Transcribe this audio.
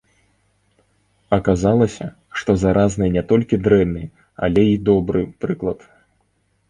Аказалася, што заразны не толькі дрэнны, але і добры прыклад.